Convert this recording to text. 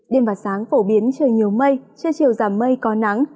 đêm và sáng phổ biến trời nhiều mây trưa chiều giảm mây có nắng